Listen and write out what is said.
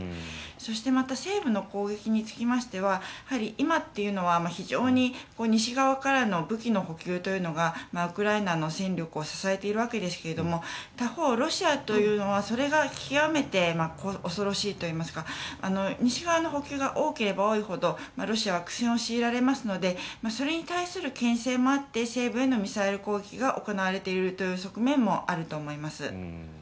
そしてまた西部の攻撃につきましてはやはり今というのは非常に西側からの武器の補給というのがウクライナの戦力を支えているわけですけども他方、ロシアというのはそれが極めて恐ろしいといいますか西側の補給が多ければ多いほどロシアは苦戦を強いられますのでそれに対するけん制もあって西部へのミサイル攻撃が行われているという側面もあると思います。